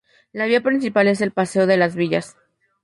La vía principal es el paseo de Las Villas.